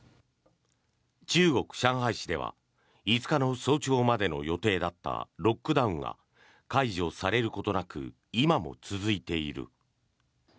中国・上海市では５日の早朝までの予定だったロックダウンが解除されることなく今も続いている。